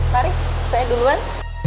mari saya duluan